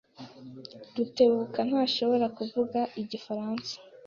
Rutebuka ntashobora kuvuga igifaransa.